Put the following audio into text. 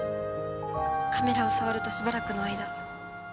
カメラを触るとしばらくの間。